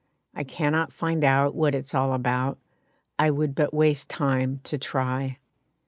I cannot find out what it's all about, I would but waste time to try.